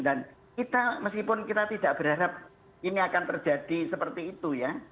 dan kita meskipun kita tidak berharap ini akan terjadi seperti itu ya